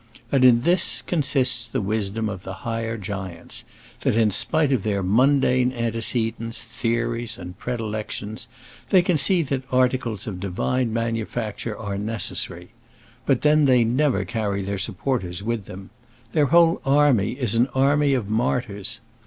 And in this consists the wisdom of the higher giants that, in spite of their mundane antecedents, theories, and predilections, they can see that articles of divine manufacture are necessary. But then they never carry their supporters with them. Their whole army is an army of martyrs.